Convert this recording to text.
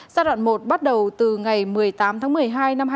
giai đoạn một bắt đầu từ ngày một mươi tám tháng một mươi hai năm hai nghìn hai mươi